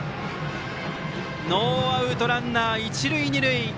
ノーアウトランナー、一塁二塁。